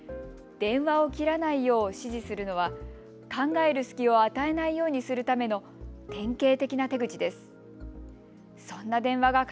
電話を切らないよう指示するのは考える隙を与えないようにするための典型的な手口です。